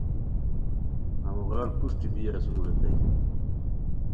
ہموغار پروشٹی بی اسور ریتائے